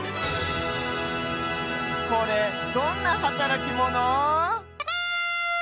これどんなはたらきモノ？